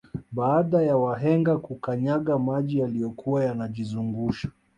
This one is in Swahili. Baada ya wahenga kukanyaga maji yaliyokuwa yanajizungusha